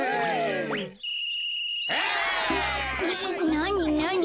なになに？